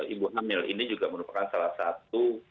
ibu hamil ini juga merupakan salah satu